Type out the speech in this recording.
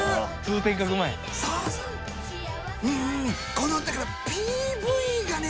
このだからＰＶがね